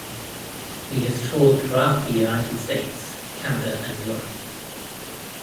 He has toured throughout the United States, Canada, and Europe.